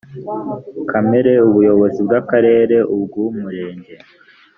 kamere ubuyobozi bw akarere ubw umurenge